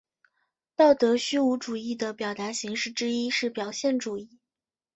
道德虚无主义的表达形式之一是表现主义。